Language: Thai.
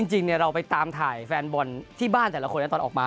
จริงเราไปตามถ่ายแฟนบอลที่บ้านแต่ละคนนะตอนออกมา